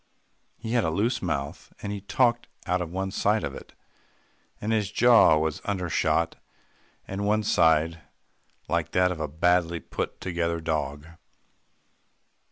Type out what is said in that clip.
He had a loose mouth, and he talked out of one side of it, and his jaw was undershot and one sided, like that of a badly put together dog.